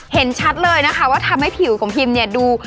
เห็นชัดเลยนะคะว่าทำให้ผิวของพิมเนี่ยดู